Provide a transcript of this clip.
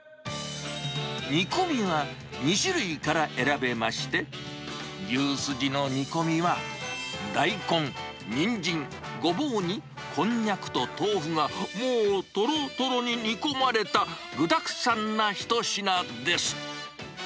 煮込みは２種類から選べまして、牛すじの煮込みは、大根、ニンジン、ゴボウにこんにゃくと豆腐が、もうとろとろに煮込まれた具だくさんな一品です。